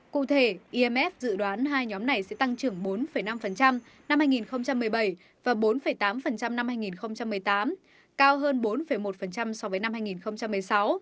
cụ thể imf dự đoán hai nhóm này sẽ tăng trưởng bốn năm năm hai nghìn một mươi bảy và bốn tám năm hai nghìn một mươi tám cao hơn bốn một so với năm hai nghìn một mươi sáu